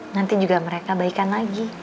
nanti juga mereka baikkan lagi